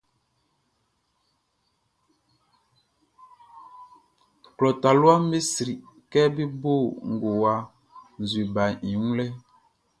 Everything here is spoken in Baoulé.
Klɔ taluaʼm be sri kɛ bé bó ngowa nzue baʼn i wun lɛʼn.